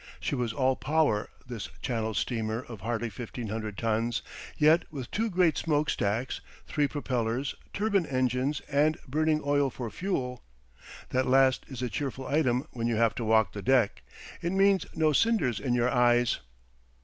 She was all power, this Channel steamer of hardly 1,500 tons, yet with two great smoke stacks, three propellers, turbine engines, and burning oil for fuel. That last is a cheerful item when you have to walk the deck it means no cinders in your eyes.